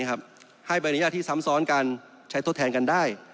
ให้ใบอนุญาตที่ซ้ำซ้อนกันใช้ตัวแทนกันได้